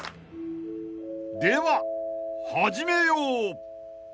［では始めよう！］